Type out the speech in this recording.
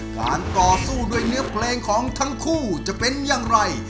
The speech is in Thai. การต่อสู้ด้วยเนื้อเพลงของทั้งคู่จะเป็นอย่างไร